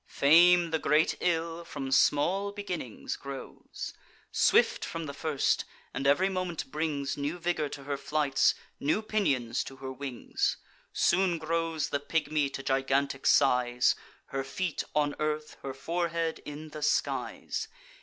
Fame, the great ill, from small beginnings grows: Swift from the first; and ev'ry moment brings New vigour to her flights, new pinions to her wings. Soon grows the pigmy to gigantic size; Her feet on earth, her forehead in the skies.